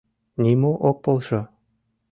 Нимо ок полшо.